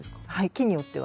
木によっては。